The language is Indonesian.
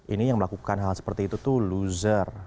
ini yang melakukan hal seperti itu tuh loser